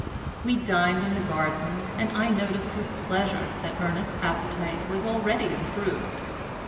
We dined in the gardens, and I noticed with pleasure that Ernest's appetite was already improved.